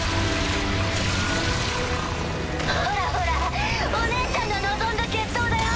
ほらほらお姉ちゃんの望んだ決闘だよ。